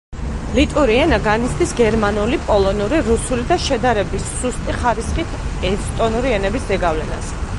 ლიტვური ენა განიცდის გერმანული, პოლონური, რუსული და შედარების სუსტი ხარისხით ესტონური ენების ზეგავლენას.